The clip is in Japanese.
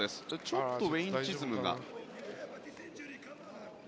ちょっとウェイン・チズムが。